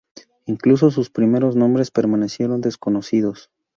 Incluso sus primeros nombres permanecieron desconocidos.